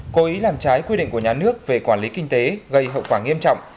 cố ý làm trái quy định của nhà nước về quản lý kinh tế gây hậu quả nghiêm trọng